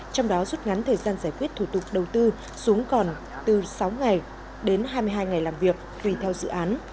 trong đó rút ngắn thời gian giải quyết thủ tục đầu tư xuống còn từ sáu ngày đến hai mươi hai ngày làm việc tùy theo dự án